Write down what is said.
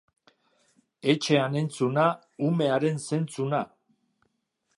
Etxean entzuna umearen zentzuna